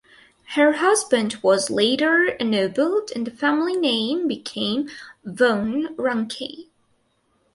Her husband was later ennobled and the family name became "von Ranke".